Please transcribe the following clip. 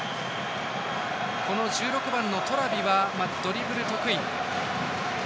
この１６番のトラビはドリブル得意。